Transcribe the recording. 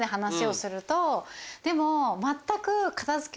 でも。